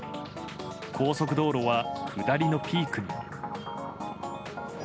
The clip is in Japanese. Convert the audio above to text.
高速道路は下りのピークに。